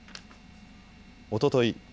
おととい